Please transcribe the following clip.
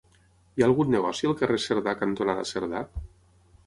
Hi ha algun negoci al carrer Cerdà cantonada Cerdà?